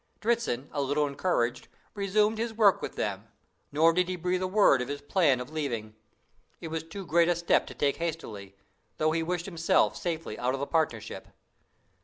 Dritzhn, a little encouraged, resumed his work with them, nor did he breathe a word of his plan of leaving. It was too great a step to take hastily, although he wished himself safely out of the partnership.